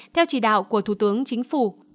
theo chỉ đạo của thủ tướng chính phủ